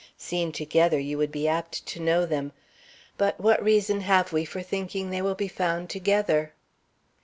Seen together, you would be apt to know them. But what reason have we for thinking they will be found together?"